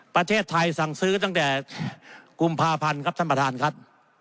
ประเทศไทยสั่งซื้อตั้งแต่กุมภาพันธ์ครับท่านประธานครับ